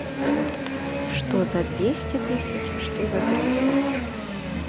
Што за дзвесце тысяч, што за трыста.